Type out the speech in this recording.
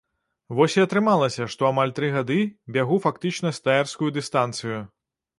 Вось і атрымалася, што амаль тры гады бягу фактычна стаерскую дыстанцыю.